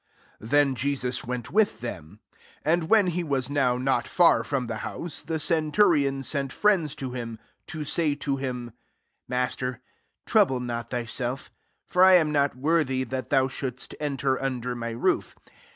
'' 6 Then Jesus went with them. And when he was now not far from the house, the centurion sent friends to him, to say to him, «* Master, trouble not thyself; for I am not worthy that thou shouldst ^^r^^'^^* under my roof.